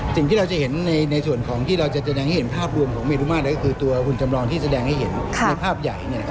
สิ่งที่เราจะเห็นในส่วนของที่เราจะแสดงให้เห็นภาพรวมของเมรุมาตรก็คือตัวคุณจำลองที่แสดงให้เห็นในภาพใหญ่